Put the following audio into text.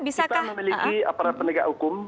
kita memiliki aparat penegak hukum